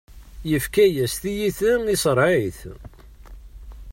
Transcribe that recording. Yefka-yas tiyita iṣreɛ-it.